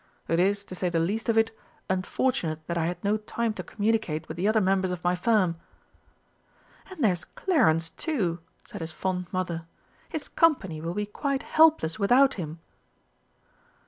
"It is, to say the least of it, unfortunate that I had no time to communicate with the other members of my firm." "And there's Clarence, too!" said his fond mother. "His Company will be quite helpless without him!"